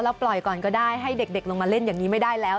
ปล่อยก่อนก็ได้ให้เด็กลงมาเล่นอย่างนี้ไม่ได้แล้ว